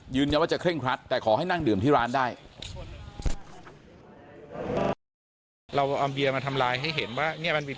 ยืนยันว่าจะเคร่งครัดแต่ขอให้นั่งดื่มที่ร้านได้